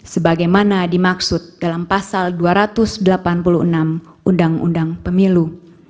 sebagaimana dimaksud dalam pasal dua ratus delapan puluh enam undang undang pemilu